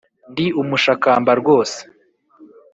ndi umushakamba rwose!